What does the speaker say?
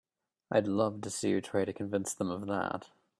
I'd love to see you try and convince them of that!